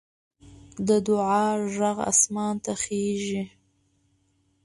د دعا غږ اسمان ته خېژي